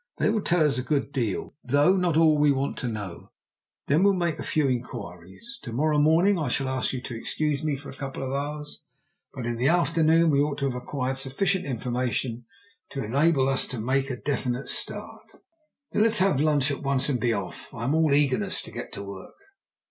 They will tell us a good deal, though not all we want to know. Then we'll make a few inquiries. To morrow morning I shall ask you to excuse me for a couple of hours. But in the afternoon we ought to have acquired sufficient information to enable us to make a definite start." "Then let's have lunch at once and be off. I'm all eagerness to get to work."